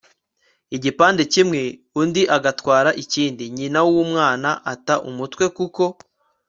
igipande kimwe, undi agatwara ikindi. nyina w'umwana ata umutwe kuko